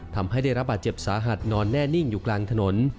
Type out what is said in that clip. ทำให้ได้รับบาดเจ็บสาหัสนอนแน่นิ่งอยู่กลางถนน